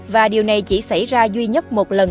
và điều này chỉ xảy ra duy nhất một lần